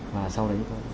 và sau đấy có